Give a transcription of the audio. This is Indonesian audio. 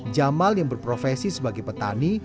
jamal yang berprofesi sebagai petani